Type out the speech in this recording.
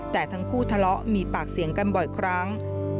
แต่ทั้งคู่ทะเลาะมีปากเสียงกันบ่อยครั้ง